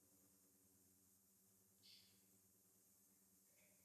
你将扮演一位名为「旅行者」的神秘角色。